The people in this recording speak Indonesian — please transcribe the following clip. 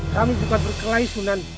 kami bukan berkena ismunan